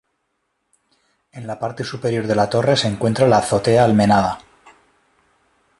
En la parte superior de la torre se encuentra la azotea almenada.